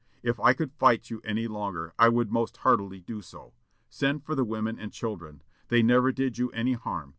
If I could fight you any longer, I would most heartily do so. Send for the women and children. They never did you any harm.